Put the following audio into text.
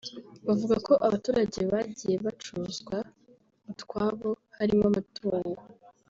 bavuga ko abaturage bagiye bacuzwa utwabo harimo amatungo